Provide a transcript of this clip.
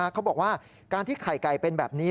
เขาบอกว่าการที่ไข่ไก่เป็นแบบนี้